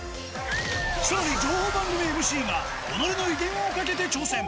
さらに情報番組ＭＣが、己の威厳をかけて挑戦。